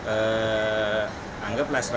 jadi dengan jarak tempoh yang sama